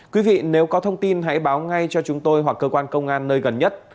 quý vị nếu có thông tin hãy báo ngay cho chúng tôi hoặc cơ quan công an nơi gần nhất